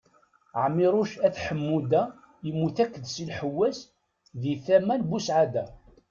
Ɛmiruc At Ḥemmuda yemmut akked Si Lḥessaw di tama n Busɛada.